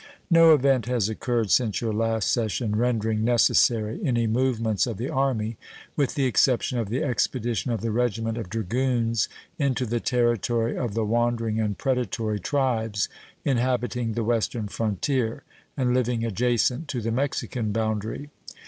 No event has occurred since your last session rendering necessary any movements of the Army, with the exception of the expedition of the regiment of dragoons into the territory of the wandering and predatory tribes inhabiting the western frontier and living adjacent to the Mexican boundary.